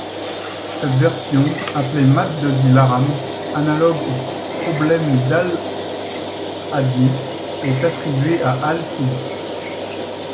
Cette version, appelée mat de Dilaram, analogue au problème d'Al-Adli est attribuée à Al-Suli.